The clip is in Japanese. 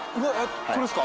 これっすか？